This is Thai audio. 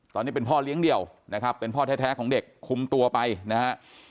ตอนนี้เป็นพ่อเลี้ยงเดี่ยวนะครับเป็นพ่อแท้ของเด็กคุมตัวไปนะฮะ